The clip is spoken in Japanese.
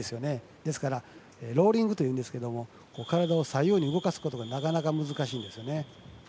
ですからローリングというんですが体を左右に動かすことがなかなか難しいですよね。